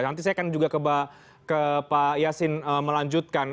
nanti saya akan juga ke pak yasin melanjutkan